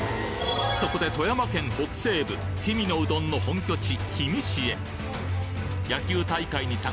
そこで富山県北西部氷見のうどんの本拠地